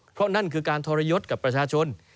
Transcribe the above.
เพราะนั่นคือการทรยศกับประชาชน